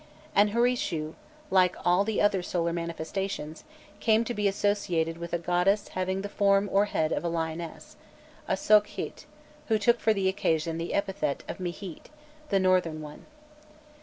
Anhûri Shû, like all the other solar manifestations, came to be associated with a goddess having the form or head of a lioness a Sokhît, who took for the occasion the epithet of Mîhît, the northern one.